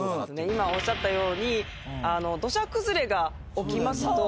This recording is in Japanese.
今おっしゃったように土砂崩れが起きますと。